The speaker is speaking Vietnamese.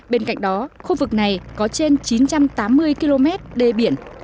bên cạnh đó khu vực này có trên chín trăm tám mươi km đê biển